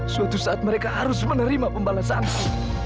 suatu saat mereka harus menerima pembalasan